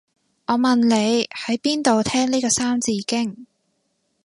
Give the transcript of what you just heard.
我問你喺邊度聽呢個三字經